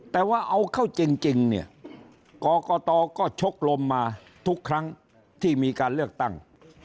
แต่ว่าเอาเข้าจริงเนี่ยกรกตก็ชกลมมาทุกครั้งที่มีการเลือกตั้ง